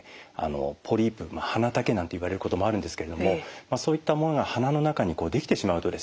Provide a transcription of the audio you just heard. ポリープ鼻茸なんていわれることもあるんですけれどもそういったものが鼻の中に出来てしまうとですね